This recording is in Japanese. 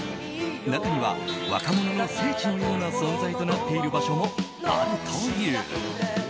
中には若者の聖地のような存在となっている場所もあるという。